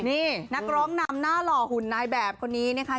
นี่นักร้องนำหน้าหล่อหุ่นนายแบบคนนี้นะคะ